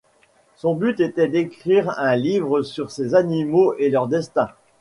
Son but était d'écrire un livre sur ces animaux et leur destin.